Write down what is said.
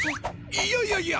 いやいやいや！